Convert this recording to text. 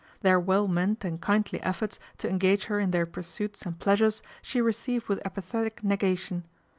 Their well meant and kindly efforts to engage her in their pursuits and pleasures she received with apathetic nega tion.